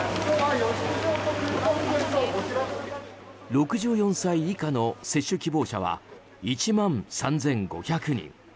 ６４歳以下の接種希望者は１万３５００人。